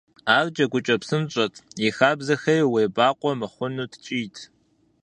Ар джэгукӀэ псынщӏэт, и хабзэхэри уебакъуэ мыхъуну ткӀийт.